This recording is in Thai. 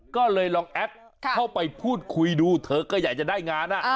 ก็เลยลองแอดเข้าไปพูดคุยดูเธอก็อยากจะได้งาน